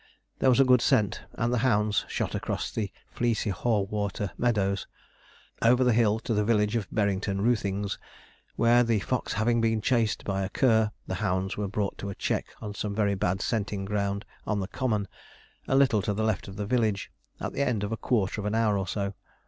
There was a good scent, and the hounds shot across the Fleecyhaughwater Meadows, over the hill, to the village of Berrington Roothings, where, the fox having been chased by a cur, the hounds were brought to a check on some very bad scenting ground, on the common, a little to the left of the village, at the end of a quarter of an hour or so.